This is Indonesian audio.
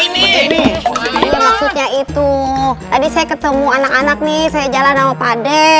ini maksudnya itu tadi saya ketemu anak anak nih saya jalan sama pak ade